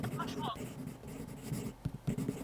ایا شاګرد باید له نقل څخه ډډه وکړي؟